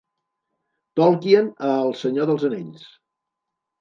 Tolkien a El Senyor dels Anells.